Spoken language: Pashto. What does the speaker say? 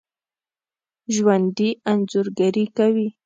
ژوندي انځورګري کوي